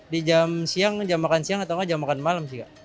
di jam siang jam makan siang atau enggak jam makan malam sih kak